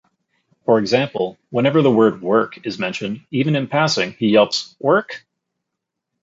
For example, whenever the word "work" is mentioned, even in passing, he yelps "Work?!